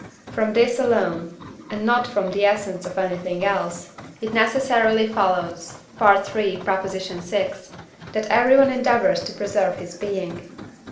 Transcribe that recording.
from this alone, and not from the essence of anything else, it necessarily follows (III. vi.) that everyone endeavours to preserve his being.